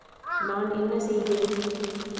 நான் என்ன செய்வேன்.